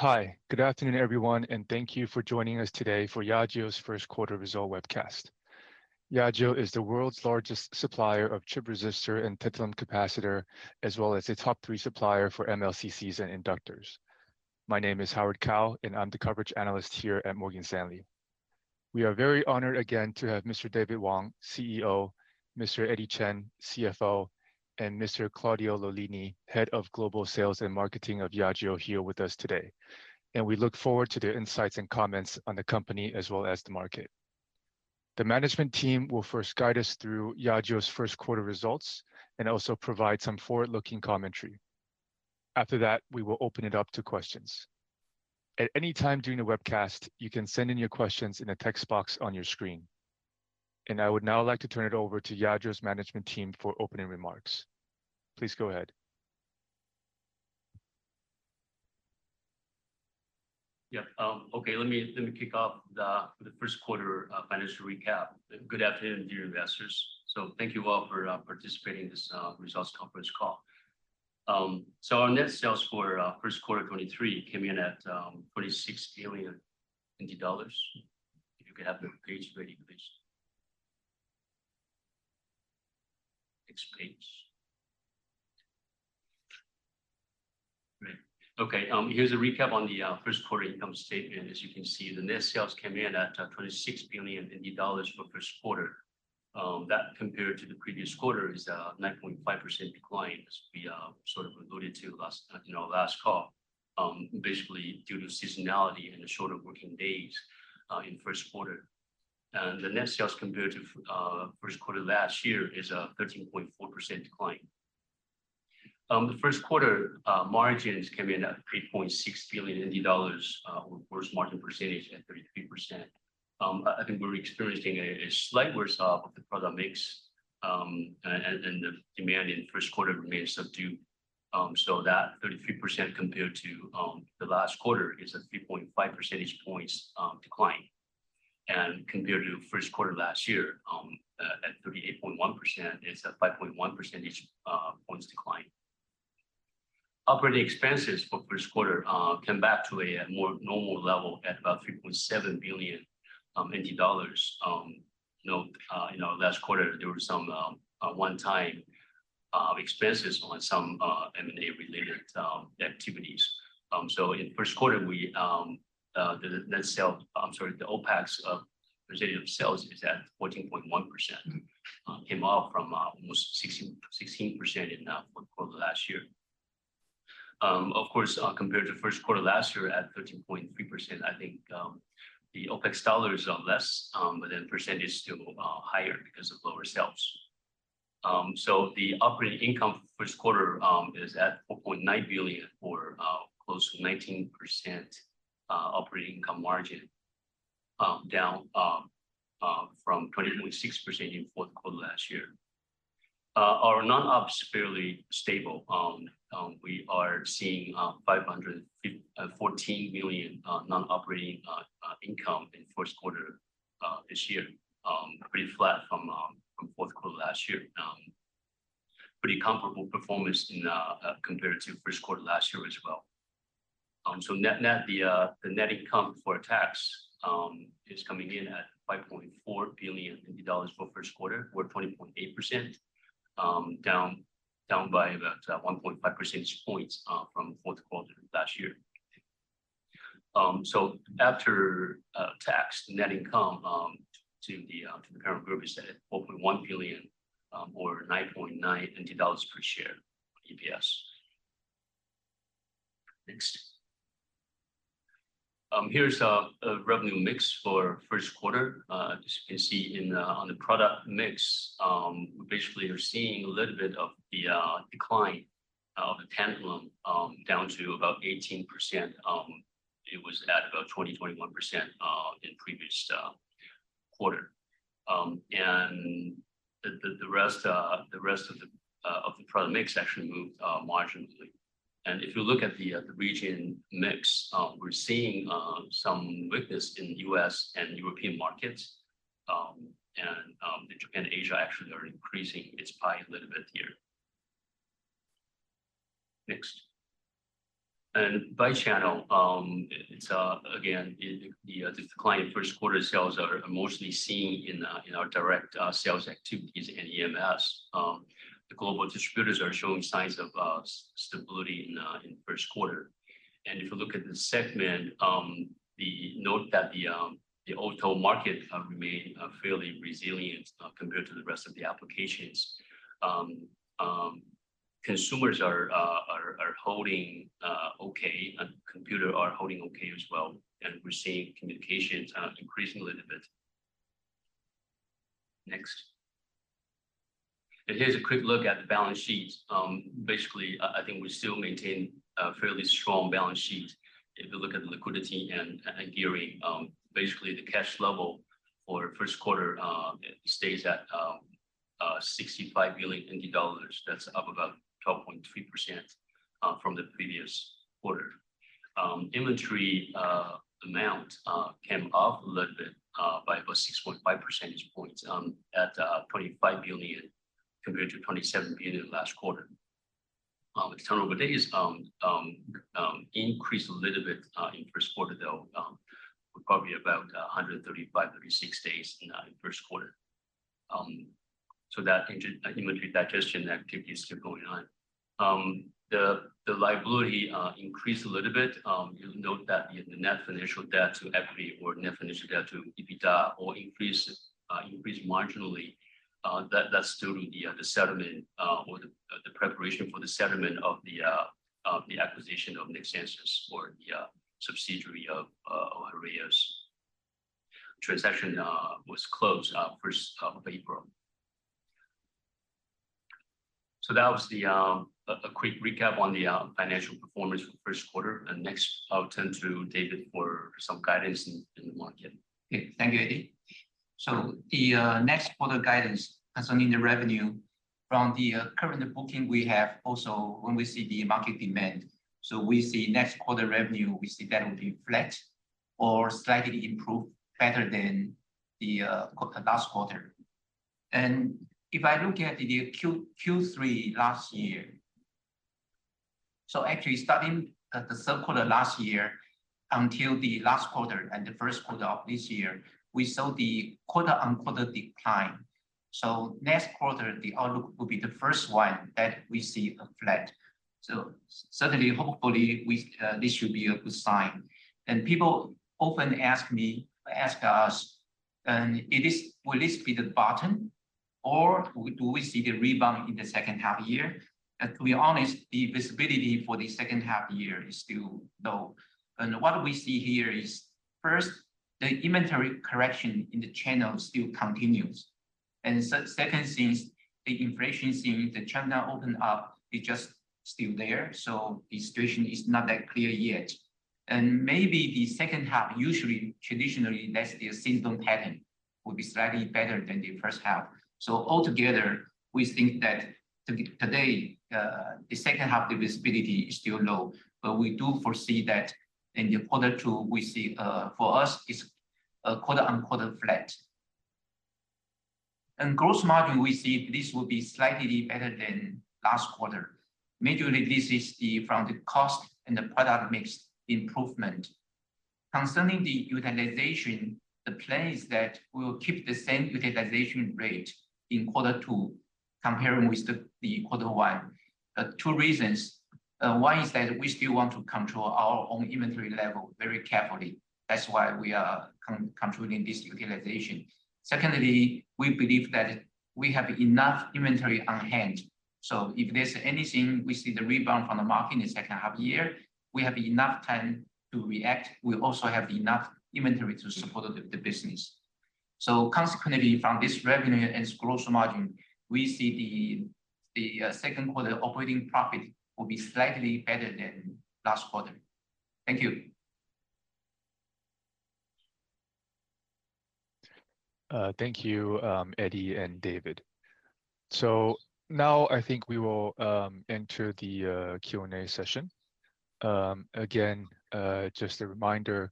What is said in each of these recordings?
Hi. Good afternoon, everyone, and thank you for joining us today for Yageo's first quarter result webcast. Yageo is the world's largest supplier of chip resistor and tantalum capacitor, as well as a top three supplier for MLCCs and inductors. My name is Howard Kao, and I'm the coverage analyst here at Morgan Stanley. We are very honored again to have Mr. David Wang, CEO, Mr. Eddie Chen, CFO, and Mr. Claudio Lollini, head of global sales and marketing of Yageo here with us today, and we look forward to their insights and comments on the company as well as the market. The management team will first guide us through Yageo's first quarter results and also provide some forward-looking commentary. After that, we will open it up to questions. At any time during the webcast, you can send in your questions in a text box on your screen. I would now like to turn it over to Yageo's management team for opening remarks. Please go ahead. Let me kick off the first quarter financial recap. Good afternoon, dear investors. Thank you all for participating in this results conference call. Our net sales for first quarter 2023 came in at 46 billion dollars. If you could have the page ready, please. Next page. Great. Okay, here's a recap on the first quarter income statement. As you can see, the net sales came in at 26 billion dollars for first quarter. That compared to the previous quarter is a 9.5% decline, as we sort of alluded to in our last call, basically due to seasonality and the shorter working days in first quarter. The net sales compared to first quarter last year is a 13.4% decline. The first quarter margins came in at 3.6 billion dollars, with gross margin percentage at 33%. I think we're experiencing a slight worse off with the product mix, and the demand in first quarter remained subdued. So that 33% compared to the last quarter is a 3.5 percentage points decline. Compared to first quarter last year, at 38.1% is a 5.1 percentage points decline. Operating expenses for first quarter came back to a more normal level at about 3.7 billion dollars. Note, in our last quarter, there were some one-time expenses on some M&A-related activities. In first quarter, the OpEx of percentage of sales is at 14.1%, came up from almost 16% in fourth quarter last year. Of course, compared to first quarter last year at 13.3%, I think, the OpEx dollars are less, but then percentage still higher because of lower sales. The operating income first quarter is at 4.9 billion or close to 19% operating income margin, down from 20.6% in fourth quarter last year. Our non-ops fairly stable. We are seeing 514 million non-operating income in first quarter this year, pretty flat from fourth quarter last year. Pretty comparable performance compared to first quarter last year as well. Net-net, the net income for tax is coming in at 5.4 billion dollars for first quarter or 20.8%, down by about 1.5 percentage points from fourth quarter last year. After tax, net income to the parent group is at 4.1 billion or 9.9 dollars per share EPS. Next. Here's our revenue mix for first quarter. As you can see in on the product mix, basically you're seeing a little bit of the decline of the tantalum down to about 18%. It was at about 20%-21% in previous quarter. The rest of the product mix actually moved marginally. If you look at the region mix, we're seeing some weakness in the U.S. and European markets, and the Japan and Asia actually are increasing its pie a little bit here. Next. By channel, it's again the decline in first quarter sales are mostly seen in our direct sales activities and EMS. The global distributors are showing signs of stability in first quarter. If you look at the segment, the note that the auto market remains fairly resilient compared to the rest of the applications. Consumers are holding okay, and computers are holding okay as well, and we're seeing communications increase a little bit. Next. Here's a quick look at the balance sheet. Basically, I think we still maintain a fairly strong balance sheet if you look at the liquidity and gearing. Basically, the cash level for first quarter stays at 65 billion dollars. That's up about 12.3% from the previous quarter. Inventory amount came up a little bit by about 6.5 percentage points at 25 billion compared to 27 billion last quarter. External days increased a little bit in first quarter, though, probably about 135-136 days in first quarter. So that inventory digestion activities keep going on. The liability increased a little bit. You'll note that the net financial debt to equity or net financial debt to EBITDA all increased marginally. That's due to the settlement or the preparation for the settlement of the acquisition of Heraeus Nexensos or the subsidiary of Heraeus. Transaction was closed off 1st of April. That was a quick recap on the financial performance for the first quarter. Next, I'll turn to David for some guidance in the market. Okay. Thank you, Eddie. The next quarter guidance concerning the revenue from the current booking we have also when we see the market demand. We see next quarter revenue, we see that will be flat or slightly improved better than the last quarter. If I look at the Q3 last year. Actually starting at the third quarter last year until the last quarter and the first quarter of this year, we saw the quarter-on-quarter decline. Next quarter, the outlook will be the first one that we see flat. Hopefully, this should be a good sign. People often ask us, "Will this be the bottom or do we see the rebound in the second half year?" To be honest, the visibility for the second half year is still low. What we see here is, first, the inventory correction in the channel still continues. Second, since the inflation since China opened up, it's just still there. The situation is not that clear yet. Maybe the second half, usually traditionally that's the seasonal pattern, will be slightly better than the first half. Altogether, we think that today, the second half, the visibility is still low. We do foresee that in quarter two, we see, for us it's, quarter on quarter flat. In gross margin, we see this will be slightly better than last quarter. Majorly, this is from the cost and the product mix improvement. Concerning the utilization, the plan is that we'll keep the same utilization rate in quarter two comparing with the quarter one. Two reasons. One is that we still want to control our own inventory level very carefully. That's why we are controlling this utilization. Secondly, we believe that we have enough inventory on hand, so if there's anything we see the rebound from the market in the second half year, we have enough time to react. We also have enough inventory to support the business. Consequently, from this revenue and gross margin, we see the second quarter operating profit will be slightly better than last quarter. Thank you. Thank you, Eddie and David. Now I think we will enter the Q&A session. Again, just a reminder,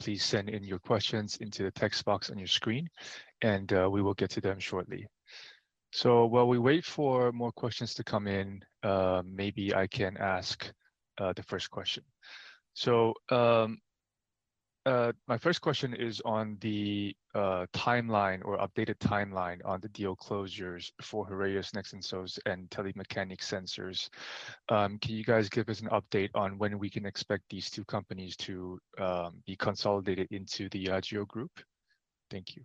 please send in your questions into the text box on your screen and we will get to them shortly. While we wait for more questions to come in, maybe I can ask the first question. My first question is on the timeline or updated timeline on the deal closures for Heraeus Nexensos and Telemecanique Sensors. Can you guys give us an update on when we can expect these two companies to be consolidated into the Yageo Group? Thank you.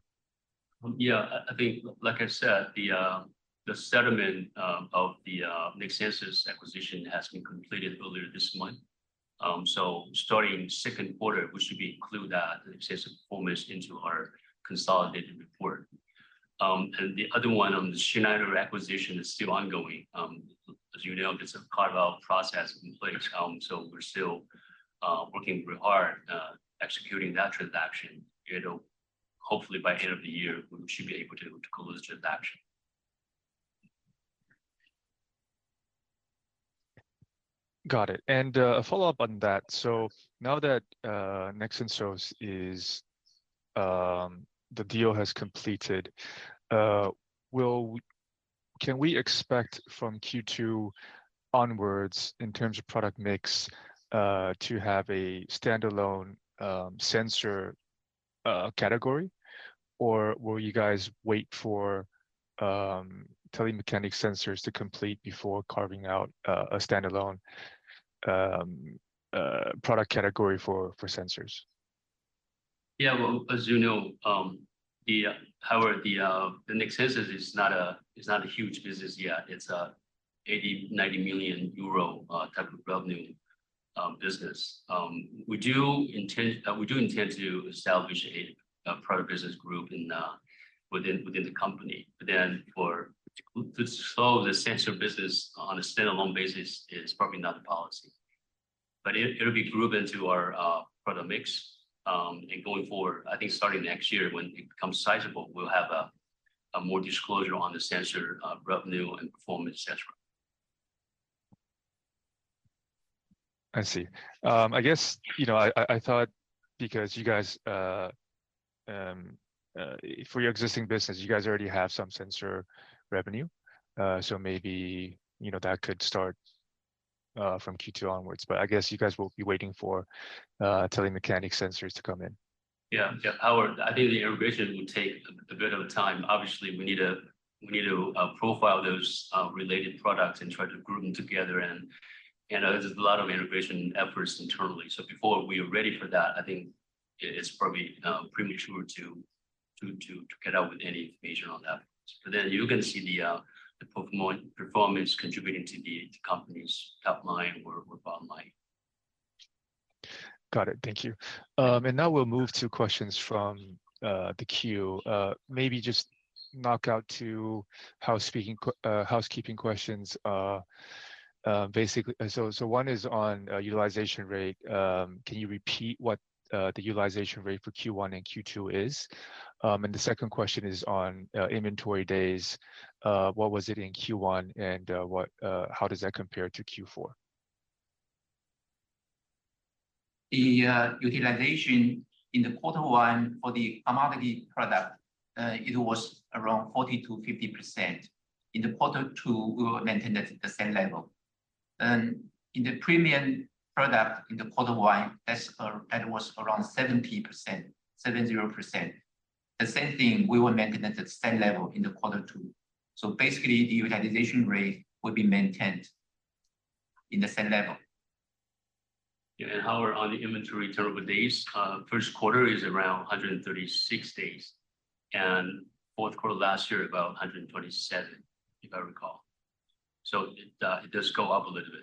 I think like I said, the settlement of the Nexensos acquisition has been completed earlier this month. So starting second quarter, we should be including that Nexensos performance into our consolidated report. The other one, the Schneider acquisition is still ongoing. As you know, it's a carve-out process in play to come, so we're still working very hard executing that transaction. It'll hopefully by end of the year, we should be able to close the transaction. Got it. A follow-up on that. Now that Nexensos is, the deal has completed, will we expect from Q2 onwards in terms of product mix to have a standalone sensor category? Or will you guys wait for Telemecanique Sensors to complete before carving out a standalone product category for sensors? Yeah. Well, as you know, however, the Nexensos is not a huge business yet. It's 80 million-90 million euro type of revenue business. We do intend to establish a product business group within the company. To sell the sensor business on a standalone basis is probably not the policy. But it'll grow into our product mix. Going forward, I think starting next year when it becomes sizable, we'll have a more disclosure on the sensor revenue and performance, et cetera. I see. I guess, you know, I thought because you guys for your existing business, you guys already have some sensor revenue. Maybe, you know, that could start from Q2 onwards. I guess you guys will be waiting for Telemecanique Sensors to come in. Yeah. Yeah. Howard, I think the integration will take a bit of a time. Obviously, we need to profile those related products and try to group them together and, you know, there's a lot of integration efforts internally. Before we are ready for that, I think it's probably premature to get out with any information on that. You're gonna see the performance contributing to the company's top line or bottom line. Got it. Thank you. Now we'll move to questions from the queue. Maybe just knock out two housekeeping questions, basically. One is on utilization rate. Can you repeat what the utilization rate for Q1 and Q2 is? The second question is on inventory days. What was it in Q1, and how does that compare to Q4? The utilization in the quarter one for the commodity product, it was around 40%-50%. In the quarter two, we will maintain that at the same level. In the premium product in the quarter one, that was around 70%. The same thing, we will maintain it at the same level in the quarter two. Basically, the utilization rate will be maintained in the same level. Yeah, Howard, on the inventory turnover days, first quarter is around 136 days, and fourth quarter last year about 127 days, if I recall. It does go up a little bit.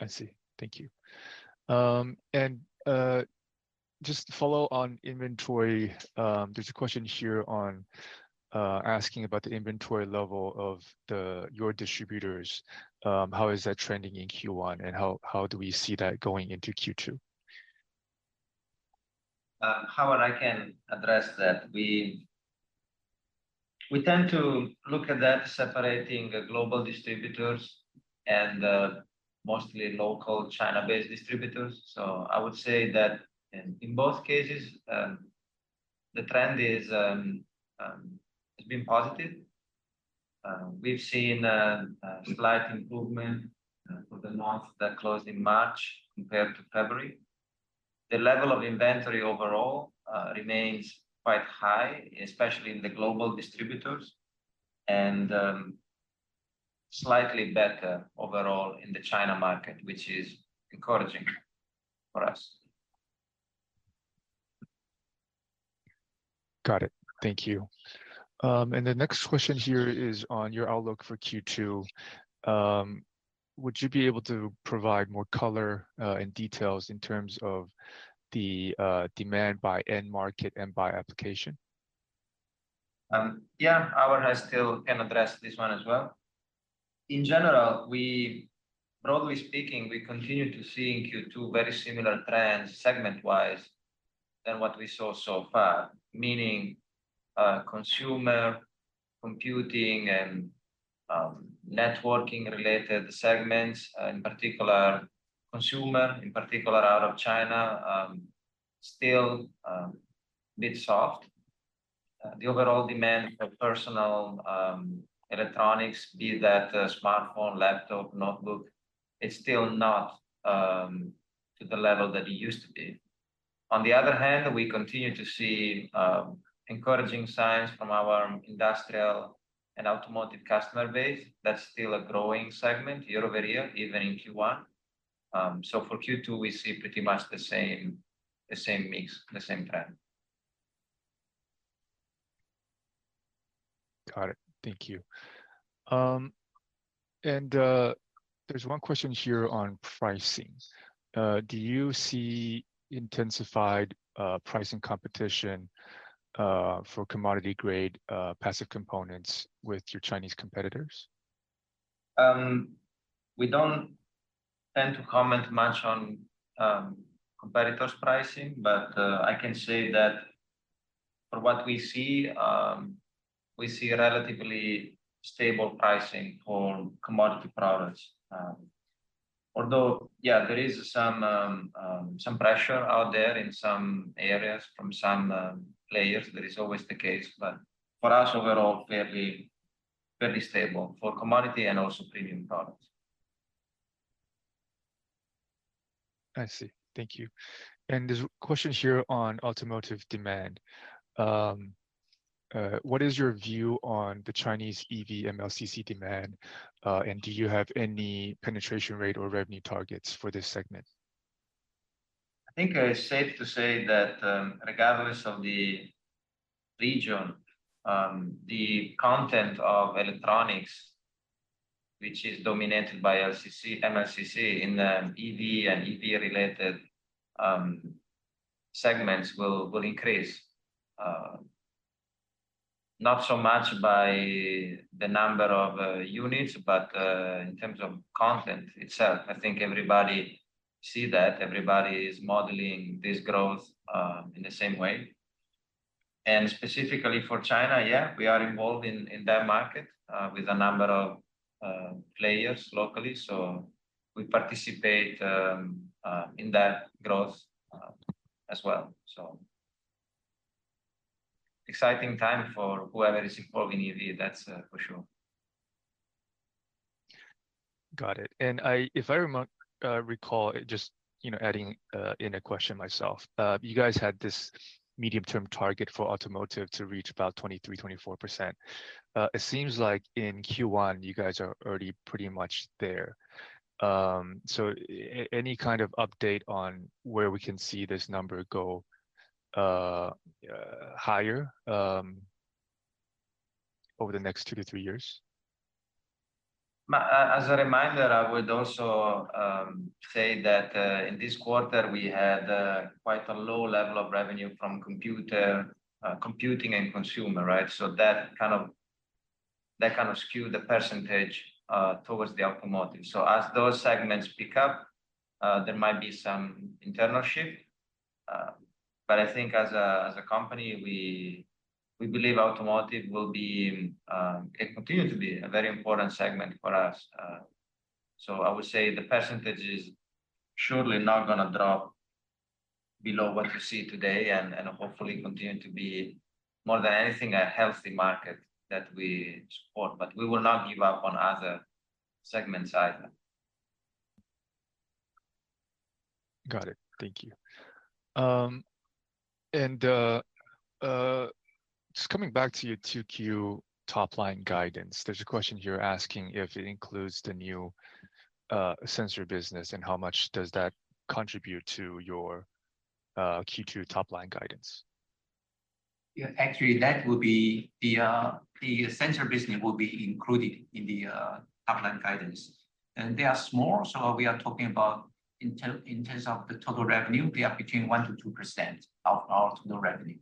I see. Thank you. Just to follow on inventory, there's a question here on asking about the inventory level of your distributors. How is that trending in Q1, and how do we see that going into Q2? Howard, I can address that. We tend to look at that separating the global distributors and the mostly local China-based distributors. I would say that in both cases, the trend is, it's been positive. We've seen a slight improvement for the month that closed in March compared to February. The level of inventory overall remains quite high, especially in the global distributors, and slightly better overall in the China market, which is encouraging for us. Got it. Thank you. The next question here is on your outlook for Q2. Would you be able to provide more color and details in terms of the demand by end market and by application? Yeah. Howard, I still can address this one as well. In general, broadly speaking, we continue to see in Q2 very similar trends segment-wise than what we saw so far, meaning consumer, computing, and networking related segments, in particular consumer, in particular out of China, still a bit soft. The overall demand for personal electronics, be that a smartphone, laptop, notebook, it's still not to the level that it used to be. On the other hand, we continue to see encouraging signs from our industrial and automotive customer base. That's still a growing segment year-over-year, even in Q1. For Q2, we see pretty much the same, the same mix, the same trend. Got it. Thank you. There's one question here on pricing. Do you see intensified pricing competition for commodity grade passive components with your Chinese competitors? We don't tend to comment much on competitors' pricing, but I can say that from what we see, we see a relatively stable pricing for commodity products. Although, yeah, there is some pressure out there in some areas from some players. That is always the case. For us overall, fairly stable for commodity and also premium products. I see. Thank you. There's a question here on automotive demand. What is your view on the Chinese EV MLCC demand, and do you have any penetration rate or revenue targets for this segment? I think it's safe to say that, regardless of the region, the content of electronics, which is dominated by MLCC in the EV and EV related segments will increase. Not so much by the number of units, but in terms of content itself. I think everybody see that. Everybody is modeling this growth in the same way. Specifically for China, yeah, we are involved in that market with a number of players locally. We participate in that growth as well. Exciting time for whoever is involved in EV, that's for sure. Got it. If I recall, just, you know, adding in a question myself. You guys had this medium-term target for automotive to reach about 23%-24%. It seems like in Q1, you guys are already pretty much there. Any kind of update on where we can see this number go higher over the next two to three years? As a reminder, I would also say that in this quarter we had quite a low level of revenue from computing and consumer, right? That kind of skewed the percentage towards the automotive. As those segments pick up, there might be some internal shift. I think as a company, we believe automotive will be, it continues to be a very important segment for us. I would say the percentage is surely not gonna drop below what you see today, and hopefully continue to be more than anything, a healthy market that we support. We will not give up on other segment side. Got it. Thank you. Just coming back to your 2Q top line guidance, there's a question here asking if it includes the new sensor business, and how much does that contribute to your Q2 top line guidance? Yeah. Actually, that will be the sensor business will be included in the top line guidance. They are small, so we are talking about in terms of the total revenue, they are between 1%-2% of our total revenue.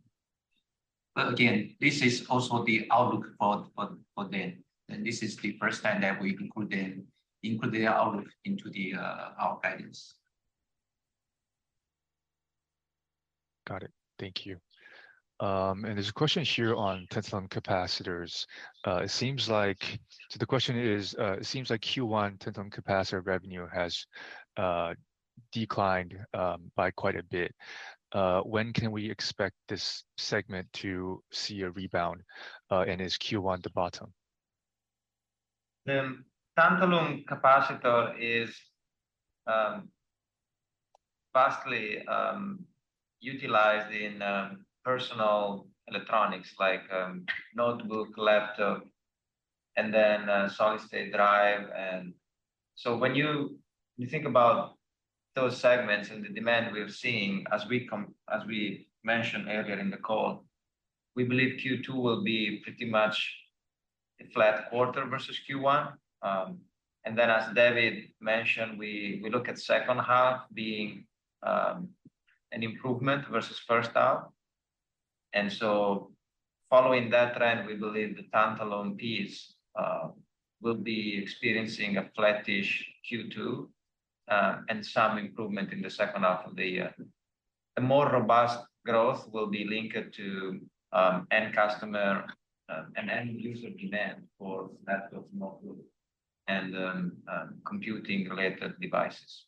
Again, this is also the outlook for them. This is the first time that we include their outlook into our guidance. Got it. Thank you. There's a question here on tantalum capacitors. It seems like Q1 tantalum capacitor revenue has declined by quite a bit. When can we expect this segment to see a rebound? Is Q1 the bottom? Tantalum capacitor is vastly utilized in personal electronics like notebook, laptop, and solid state drive. When you think about those segments and the demand we're seeing as we mentioned earlier in the call, we believe Q2 will be pretty much a flat quarter versus Q1. As David mentioned, we look at second half being an improvement versus first half. Following that trend, we believe the tantalum piece will be experiencing a flattish Q2 and some improvement in the second half of the year. A more robust growth will be linked to end customer and end user demand for laptop, notebook and computing related devices.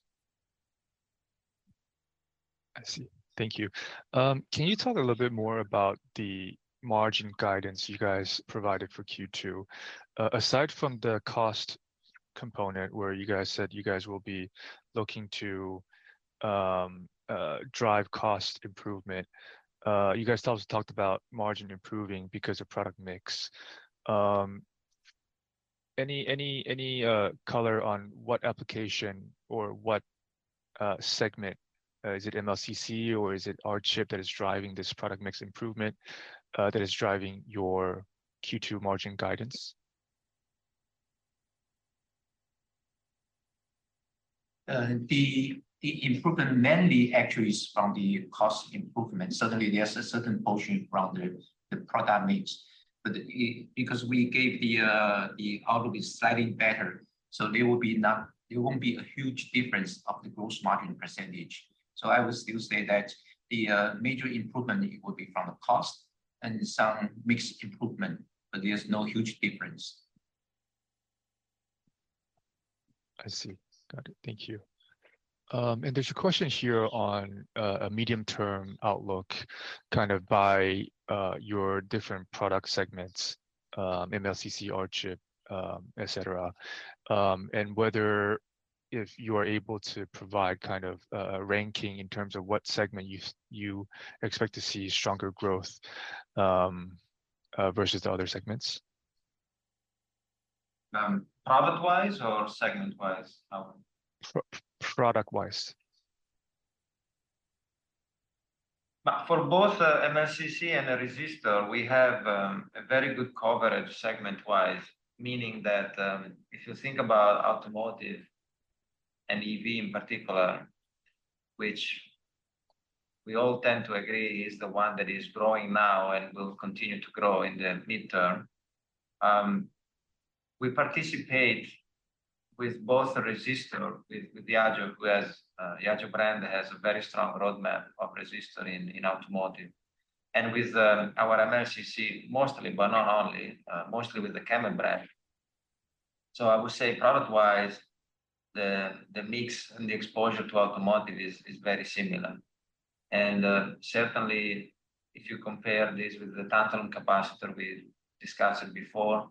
I see. Thank you. Can you talk a little bit more about the margin guidance you guys provided for Q2? Aside from the cost component where you guys said you guys will be looking to drive cost improvement, you guys also talked about margin improving because of product mix. Any color on what application or what segment? Is it MLCC or is it R-chip that is driving this product mix improvement that is driving your Q2 margin guidance? The improvement mainly actually is from the cost improvement. Certainly, there's a certain portion from the product mix. Because we gave the outlook is slightly better, there won't be a huge difference of the gross margin percentage. I would still say that the major improvement will be from the cost and some mix improvement, but there's no huge difference. I see. Got it. Thank you. There's a question here on a medium-term outlook kind of by your different product segments, MLCC, R-chip, etc. Whether if you are able to provide kind of a ranking in terms of what segment you expect to see stronger growth versus the other segments. Product-wise or segment-wise? Product-wise. For both MLCC and a resistor, we have a very good coverage segment-wise, meaning that if you think about automotive and EV in particular, which we all tend to agree is the one that is growing now and will continue to grow in the midterm. We participate with both the resistor with the Yageo who has the Yageo brand has a very strong roadmap of resistor in automotive. With our MLCC mostly, but not only, mostly with the KEMET brand. I would say product-wise, the mix and the exposure to automotive is very similar. Certainly if you compare this with the tantalum capacitor we discussed before,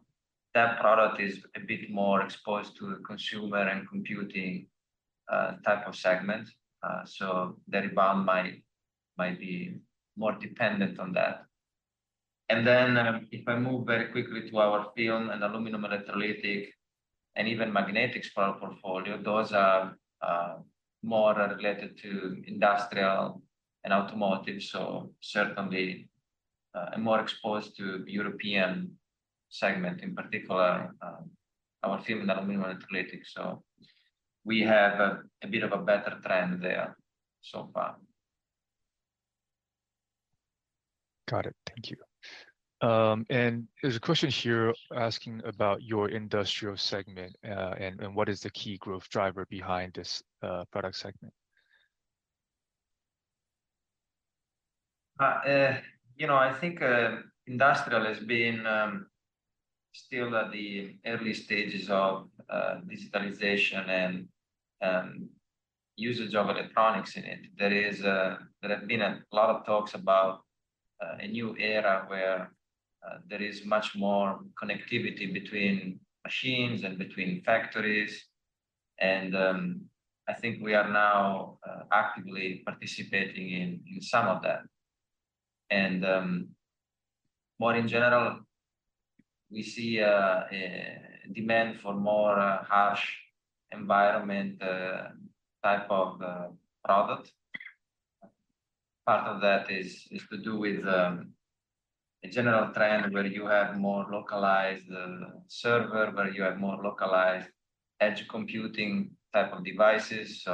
that product is a bit more exposed to the consumer and computing type of segment. The rebound might be more dependent on that. If I move very quickly to our film and aluminum electrolytic, and even magnetics portfolio, those are more related to industrial and automotive, so certainly more exposed to European segment, in particular our film and aluminum electrolytic. We have a bit of a better trend there so far. Got it. Thank you. There's a question here asking about your industrial segment, and what is the key growth driver behind this product segment? You know, I think industrial has been still at the early stages of digitalization and usage of electronics in it. There have been a lot of talks about a new era where there is much more connectivity between machines and between factories and I think we are now actively participating in some of that. More in general, we see a demand for more harsh environment type of product. Part of that is to do with a general trend where you have more localized server, where you have more localized edge computing type of devices.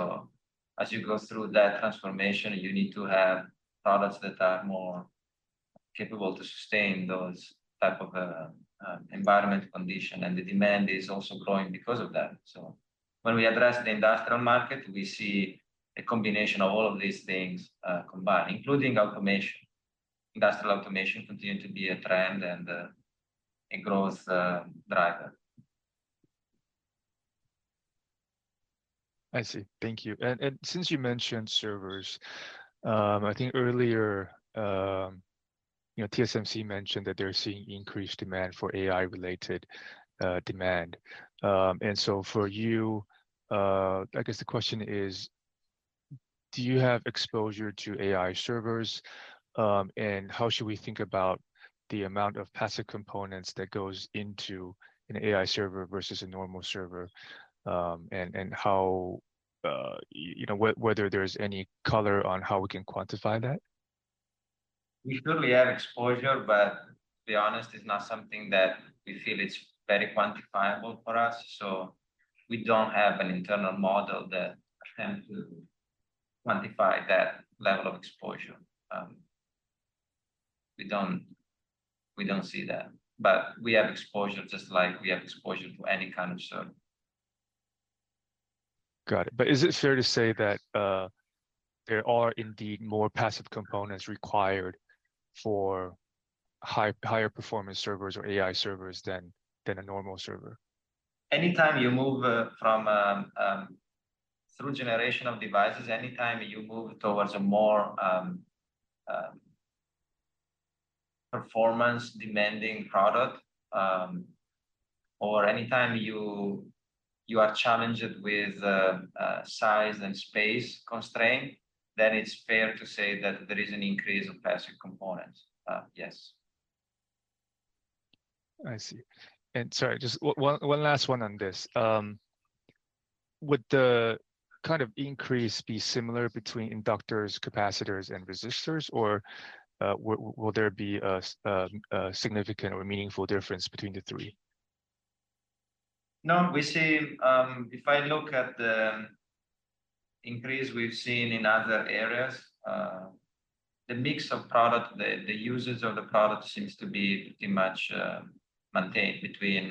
As you go through that transformation, you need to have products that are more capable to sustain those types of environmental conditions, and the demand is also growing because of that. When we address the industrial market, we see a combination of all of these things combined, including automation. Industrial automation continues to be a trend and a growth driver. I see. Thank you. Since you mentioned servers, I think earlier, you know, TSMC mentioned that they're seeing increased demand for AI related demand. For you, I guess the question is do you have exposure to AI servers, and how should we think about the amount of passive components that goes into an AI server versus a normal server? How, you know, whether there's any color on how we can quantify that? We certainly have exposure, but to be honest, it's not something that we feel it's very quantifiable for us. We don't have an internal model that attempt to quantify that level of exposure. We don't see that. We have exposure just like we have exposure to any kind of server. Got it. Is it fair to say that there are indeed more passive components required for higher performance servers or AI servers than a normal server? Anytime you move from one generation of devices, anytime you move towards a more performance-demanding product, or anytime you are challenged with size and space constraint, then it's fair to say that there is an increase in passive components. Yes. I see. Sorry, just one last one on this. Would the kind of increase be similar between inductors, capacitors and resistors, or will there be a significant or a meaningful difference between the three? No. We see, if I look at the increase we've seen in other areas, the mix of product, the usage of the product seems to be pretty much maintained between,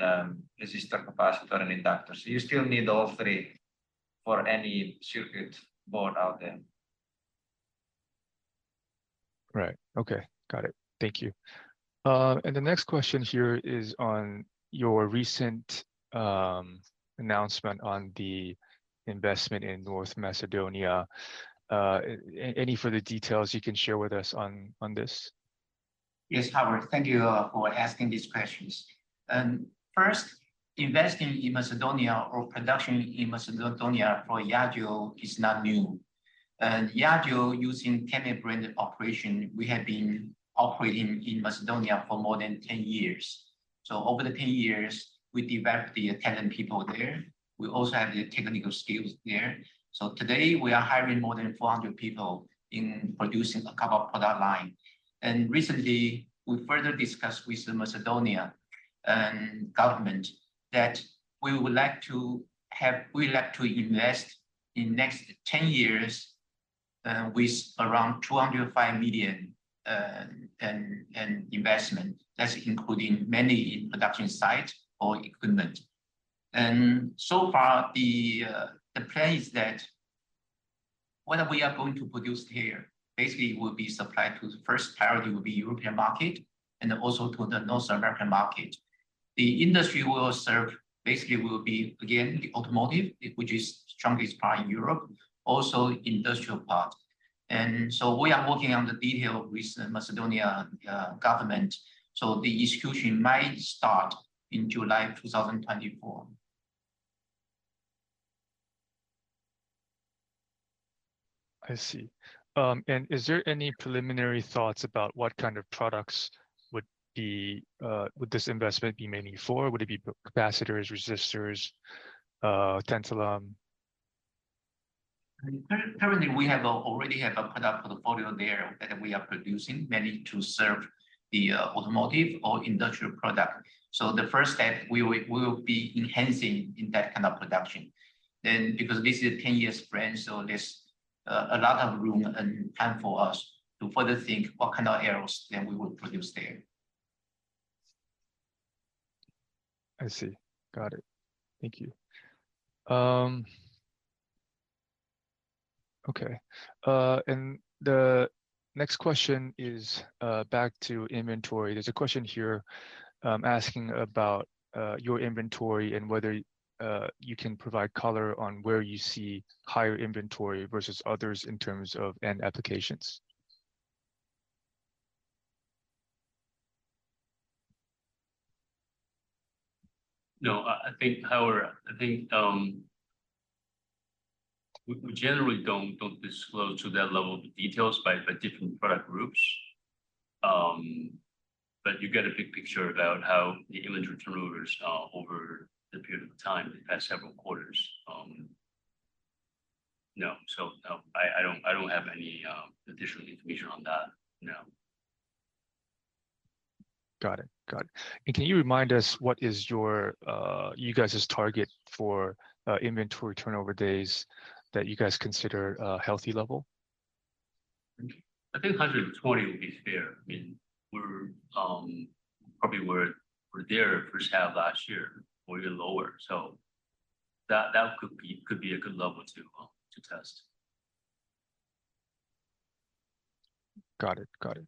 resistor, capacitor and inductor. You still need all three for any circuit board out there. Right. Okay. Got it. Thank you. The next question here is on your recent announcement on the investment in North Macedonia. Any further details you can share with us on this? Yes, Howard. Thank you for asking these questions. First, investing in Macedonia or production in Macedonia for Yageo is not new. Yageo using KEMET brand operation, we have been operating in Macedonia for more than 10 years. Over the 10 years, we developed the talented people there. We also have the technical skills there. Today we are hiring more than 400 people in producing a couple of product line. Recently, we further discussed with the Macedonia government that we like to invest in next 10 years and with around $205 million in investment. That's including many production sites or equipment. So far, the plan is that whatever we are going to produce here, basically will be supplied to the first priority will be European market and then also to the North American market. The industry we will serve basically will be, again, the automotive, which is strongest part in Europe, also industrial part. We are working on the detail with the Macedonia government, so the execution might start in July 2024. I see. Is there any preliminary thoughts about what kind of products would this investment be mainly for? Would it be capacitors, resistors, tantalum? Currently, we already have a product portfolio there that we are producing, mainly to serve the automotive or industrial product. The first step, we will be enhancing in that kind of production. Because this is a 10-year spread, there's a lot of room and time for us to further think what kind of areas that we would produce there. I see. Got it. Thank you. Okay. The next question is back to inventory. There's a question here asking about your inventory and whether you can provide color on where you see higher inventory versus others in terms of end applications. No, I think, Howard, I think we generally don't disclose to that level of details by different product groups. You get a big picture about how the inventory turnovers over the period of time in the past several quarters. No. No, I don't have any additional information on that. No. Got it. Can you remind us what is your, you guys' target for, inventory turnover days that you guys consider a healthy level? I think 120 would be fair. I mean, we're probably there first half last year or even lower. That could be a good level to test. Got it.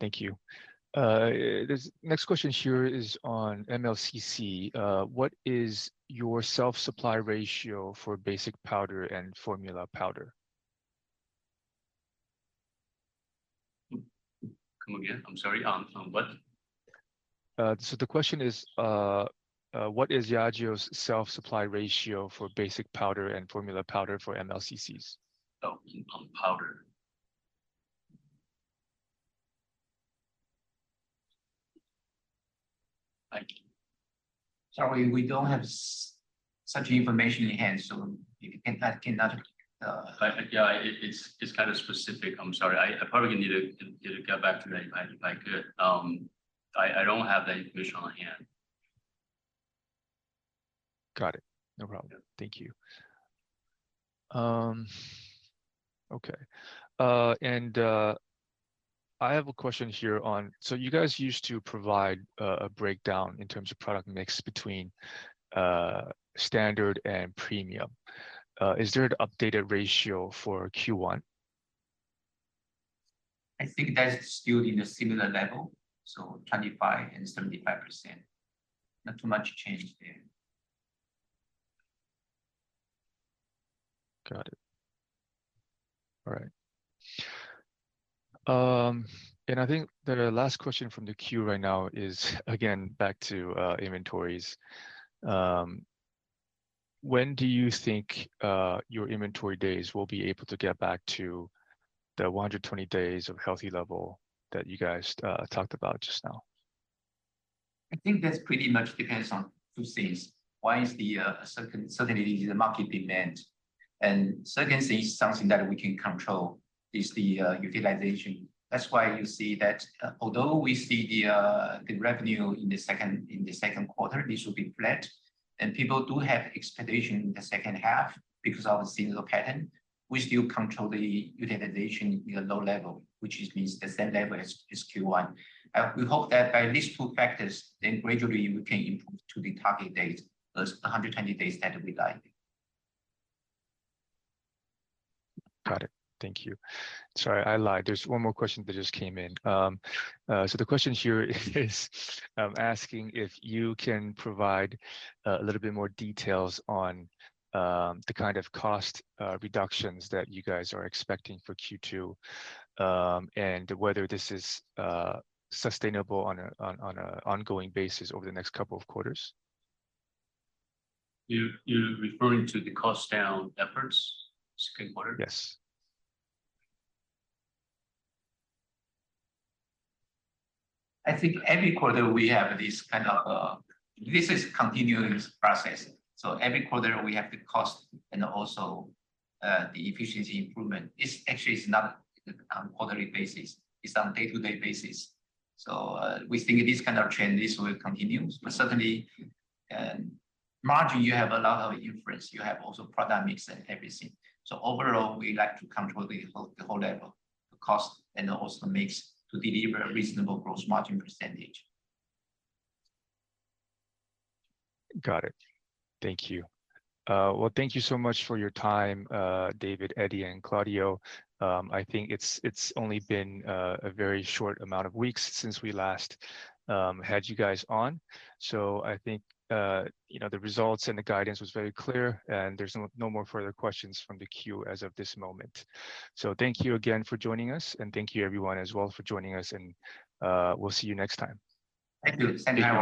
Thank you. This next question here is on MLCC. What is your self-supply ratio for basic powder and formula powder? Come again? I'm sorry. On what? The question is, what is Yageo's self-supply ratio for basic powder and formula powder for MLCCs? Oh, in powder. Sorry, we don't have such information in hand, so I cannot. Yeah, it's kind of specific. I'm sorry. I probably gonna need to get back to that if I could. I don't have that information on hand. Got it. No problem. Thank you. Okay. I have a question here on you guys used to provide a breakdown in terms of product mix between standard and premium. Is there an updated ratio for Q1? I think that's still in a similar level, so 25% and 75%. Not too much change there. Got it. All right. I think the last question from the queue right now is, again, back to inventories. When do you think your inventory days will be able to get back to the 120 days of healthy level that you guys talked about just now? I think that's pretty much depends on two things. One is certainly the market demand. Secondly, something that we can control is the utilization. That's why you see that although we see the revenue in the second quarter, this will be flat. People do have expectation in the second half because of the seasonal pattern. We still control the utilization in a low level, which means the same level as Q1. We hope that by these two factors, then gradually we can improve to the targeted 120 days that we guided. Got it. Thank you. Sorry, I lied. There's one more question that just came in. So the question here is asking if you can provide a little bit more details on the kind of cost reductions that you guys are expecting for Q2, and whether this is sustainable on an ongoing basis over the next couple of quarters. You're referring to the cost down efforts, second quarter? Yes. I think every quarter we have this kind of, this is continuous process. Every quarter we have the cost and also, the efficiency improvement. It's actually not on quarterly basis, it's on day-to-day basis. We think this kind of trend, this will continue. But certainly, margin, you have a lot of influence. You have also product mix and everything. Overall, we like to control the whole level, the cost and also mix to deliver a reasonable gross margin percentage. Got it. Thank you. Well, thank you so much for your time, David, Eddie, and Claudio. I think it's only been a very short amount of weeks since we last had you guys on. I think you know, the results and the guidance was very clear, and there's no more further questions from the queue as of this moment. Thank you again for joining us, and thank you everyone as well for joining us and we'll see you next time. Thank you. Thank you, Howard.